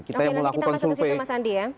oke nanti kita masuk ke situ mas andi ya